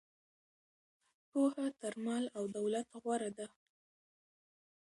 پوهه تر مال او دولت غوره ده.